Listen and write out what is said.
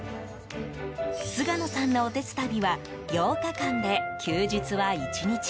菅野さんのおてつたびは８日間で休日は１日。